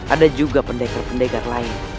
ada juga pendekar pendekar lain